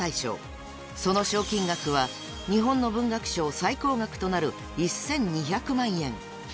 ［その賞金額は日本の文学賞最高額となる１，２００万円］